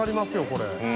これ。